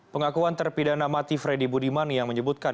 pengakuan terpidana mati freddy budiman yang menyebutkan